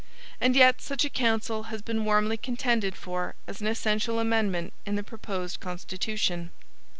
And yet such a council has been warmly contended for as an essential amendment in the proposed Constitution.